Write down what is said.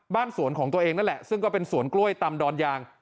สวนของตัวเองนั่นแหละซึ่งก็เป็นสวนกล้วยตำดอนยาง